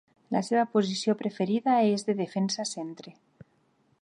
La seva posició preferida és de defensa centre.